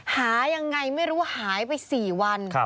หายังไงไม่รู้หายไป๔วัน